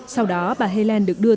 sau đó bà helen được đưa